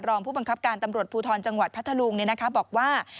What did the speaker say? รองผู้บังคับการตำรวจภูทรจังหวัดพัทธลุงบอกว่า